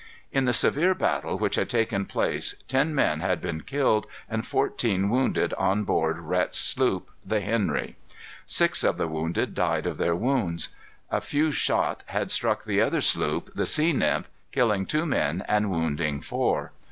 In the severe battle which had taken place, ten men had been killed and fourteen wounded on board Rhet's sloop, the Henry. Six of the wounded died of their wounds. A few shot had struck the other sloop, the Sea Nymph, killing two men, and wounding four.